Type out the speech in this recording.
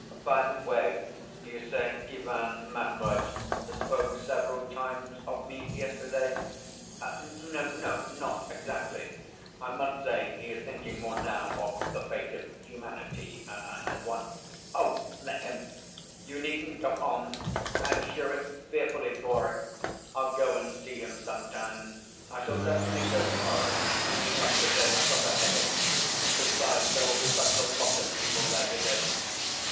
By the way, you say Ivan Matveitch spoke several times of me yesterday?" "N no, not exactly.... I must say he is thinking more now of the fate of humanity, and wants...." "Oh, let him! You needn't go on! I am sure it's fearfully boring. I'll go and see him some time. I shall certainly go to morrow. Only not to day; I've got a headache, and besides, there will be such a lot of people there to day....